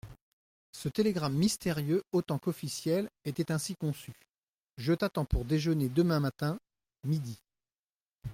Ce télégramme mystérieux autant qu'officiel était ainsi conçu : «Je t'attends pour déjeuner demain matin, midi.